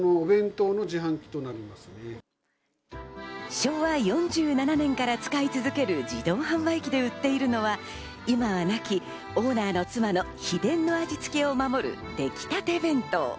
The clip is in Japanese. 昭和４７年から使い続ける自動販売機で売っているのは、今は亡きオーナーの妻の秘伝の味つけを守る、できたて弁当。